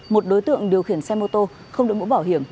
một đối tượng điều khiển xe mô tô không đợi mũ bảo hiểm